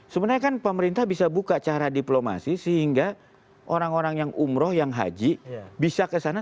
sebenarnya kan pemerintah bisa buka cara diplomasi sehingga orang orang yang umroh yang haji bisa kesana